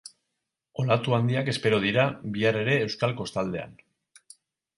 Olatu handiak espero dira bihar ere euskal kostaldean.